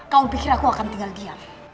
kau pikir aku akan tinggal diam